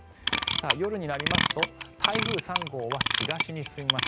夜になりますと台風３号は東に進みます。